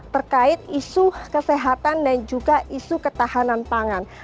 terkait isu kesehatan dan juga isu ketahanan pangan